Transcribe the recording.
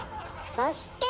そして！